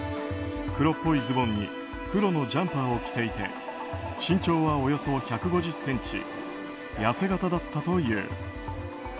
黒っぽいズボンに黒のジャンパーを着ていて身長はおよそ１５０ｃｍ痩せ形だったという。